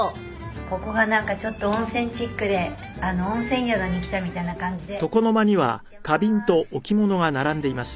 「ここがなんかちょっと温泉チックで温泉宿に来たみたいな感じで気に入ってまーす」